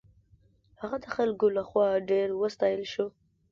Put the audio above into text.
هغه د خلکو له خوا ډېر وستایل شو.